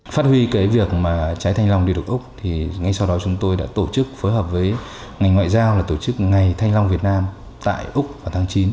phát huy cái việc mà trái thanh long đi được úc thì ngay sau đó chúng tôi đã tổ chức phối hợp với ngành ngoại giao là tổ chức ngày thanh long việt nam tại úc vào tháng chín